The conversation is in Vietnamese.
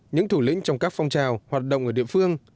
những thủ lĩnh trong các phong trào hoạt động ở địa phương